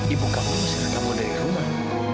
ibu kamu mengusir kamu dari rumah